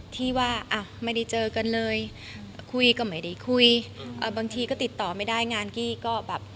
ที่ว่าอ่ะไม่ได้เจอกันเลยคุยก็ไม่ได้คุยบางทีก็ติดต่อไม่ได้งานกี้ก็แบบ